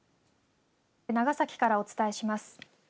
長崎からお伝えします。